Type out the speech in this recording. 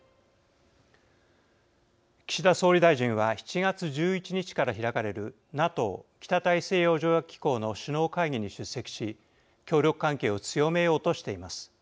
岸田総理大臣は７月１１日から開かれるＮＡＴＯ＝北大西洋条約機構の首脳会議に出席し協力関係を強めようとしています。